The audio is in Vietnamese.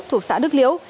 thuộc xã đức liễu